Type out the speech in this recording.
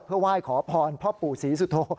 เพื่อไหว้ขอพรพ่อปู่ศรีสุโธ